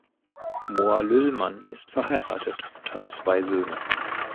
Mohr-Lüllmann ist verheiratet und hat zwei Söhne.